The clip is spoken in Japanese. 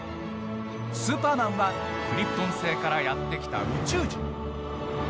スーパーマンはクリプトン星からやって来た宇宙人。